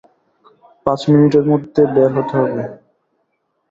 পাঁচ মিনিটের মধ্যে বের হতে হবে।